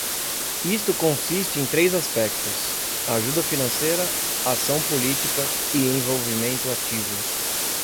Isto consiste em três aspectos: ajuda financeira, ação política e envolvimento ativo.